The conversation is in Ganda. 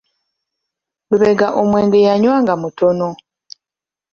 Lubega omwenge yanyanga mutono.